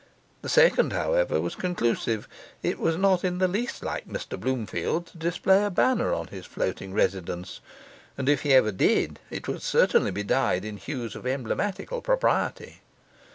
The second, however, was conclusive: it was not in the least like Mr Bloomfield to display a banner on his floating residence; and if he ever did, it would certainly be dyed in hues of emblematical propriety.